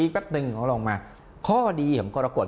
แป๊บหนึ่งเขาลงมาข้อดีของกรกฎ